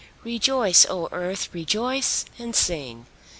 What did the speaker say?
Rejoice, O Earth! Rejoice and sing!